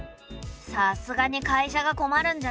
さすがに会社が困るんじゃない？